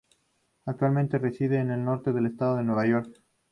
Actualmente reside en el norte del estado de Nueva York.